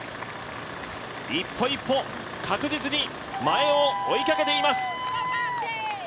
一歩一歩、確実に前を追いかけています。